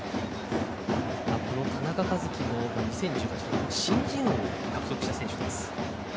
田中和基も２０１８年の新人王を獲得した選手です。